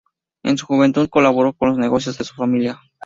En su juventud, colaboró en los negocios de su familia.